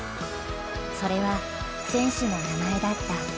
それは選手の名前だった。